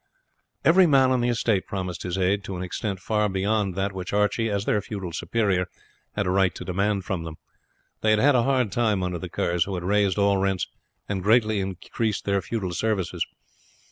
Every man on the estate promised his aid to an extent far beyond that which Archie, as their feudal superior, had a right to demand from them. They had had a hard time under the Kerrs, who had raised all rents, and greatly increased their feudal services.